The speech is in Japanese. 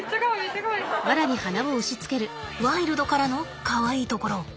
ワイルドからのかわいいところ。